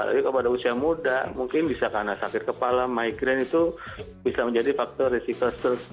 tapi kalau pada usia muda mungkin bisa karena sakit kepala migrain itu bisa menjadi faktor resiko